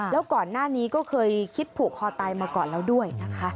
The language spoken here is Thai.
แล้วก่อนหน้านี้ก็เคยคิดผูกคอตายมาก่อนแล้วด้วยนะคะ